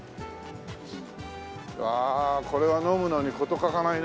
うわこれは飲むのに事欠かないね。